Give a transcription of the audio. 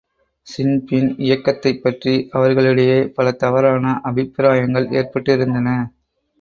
Sinn Féin இயக்கத்தைப் பற்றி அவர்களிடையே பல தவறான அபிப்பிராயங்கள் ஏற்பட்டிருந்தன.